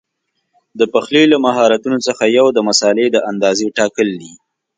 د پخلي له مهارتونو څخه یو د مسالې د اندازې ټاکل دي.